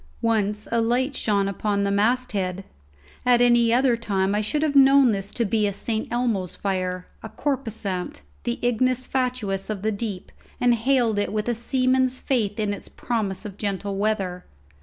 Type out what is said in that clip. Once a light shone upon the masthead. At any other time I should have known this to be a St. Elmo's fire, a corposant, the ignis fatuus of the deep, and hailed it with a seaman's faith in its promise of gentle weather.